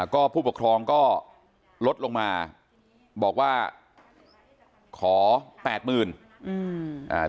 ก็ผู้ปกครองก็ลดลงมาบอกว่าขอ๘๐๐๐๐บาท